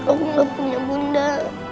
aku gak punya bunda